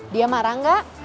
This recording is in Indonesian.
dia marah gak